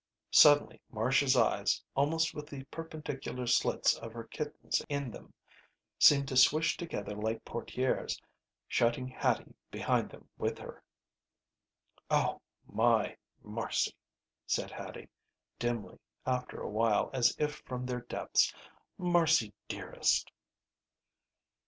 Suddenly Marcia's eyes, almost with the perpendicular slits of her kitten's in them, seemed to swish together like portières, shutting Hattie behind them with her. "Oh my Marcy!" said Hattie, dimly, after a while, as if from their depths. "Marcy, dearest!"